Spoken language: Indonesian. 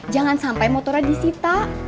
jangan sampai motornya disita